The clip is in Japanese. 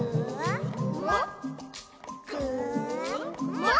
「もっ？